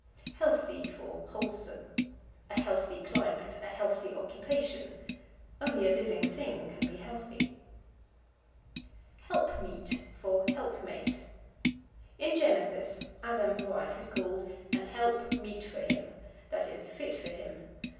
Healthy for Wholesome. "A healthy climate." "A healthy occupation." Only a living thing can be healthy. Helpmeet for Helpmate. In Genesis Adam's wife is called "an help meet for him," that is, fit for him.